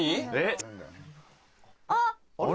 あっ。